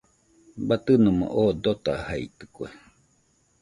Batɨnomo oo dotajaitɨkue.